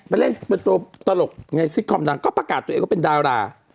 ไปเล่นเป็นตัวตลกในซิตคอมดังก็ประกาศตัวเองว่าเป็นดารา